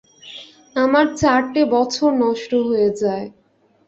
আমার চারটে বছর নষ্ট হয়ে যায়।